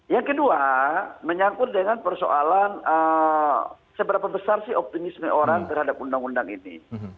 yang kedua menyangkut dengan persoalan seberapa besar sih optimisme orang terhadap undang undang ini